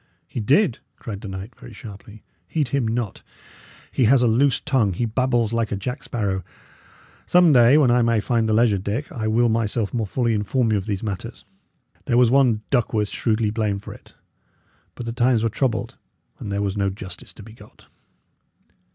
"He did?" cried the knight, very sharply. "Heed him not. He has a loose tongue; he babbles like a jack sparrow. Some day, when I may find the leisure, Dick, I will myself more fully inform you of these matters. There was one Duckworth shrewdly blamed for it; but the times were troubled, and there was no justice to be got."